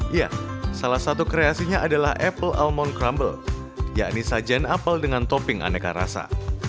iya salah satu kreasinya adalah apple almond crumble yakni sajian apple dengan topping aneka rasa